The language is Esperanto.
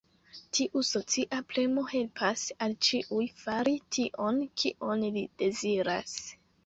Tiu socia premo helpas al ĉiuj fari tion, kion li deziras.